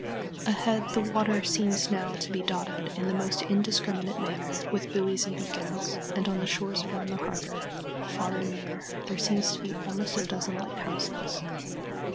Ahead the water seems now to be dotted in the most indiscriminate manner with buoys and beacons, and on the shores around the harbor, far and near, there seem to be almost a dozen lighthouses.